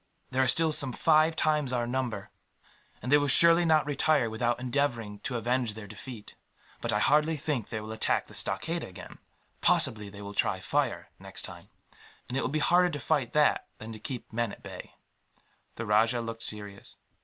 "There are still some five times our number, and they will surely not retire without endeavouring to avenge their defeat. But I hardly think they will attack the stockade again. Possibly they will try fire, next time; and it will be harder to fight that than to keep men at bay." The rajah looked serious.